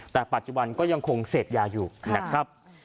แต่ปัจจุบันก็ยังคงเสพยาอยู่นะครับ